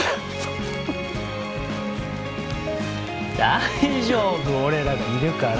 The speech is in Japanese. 大丈夫俺らがいるから。